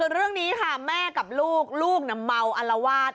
เรื่องนี้ค่ะแม่กับลูกลูกเมาอลวาด